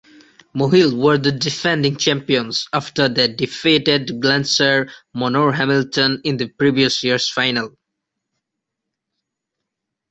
Mohill were the defending champions after they defeated Glencar–Manorhamilton in the previous years final.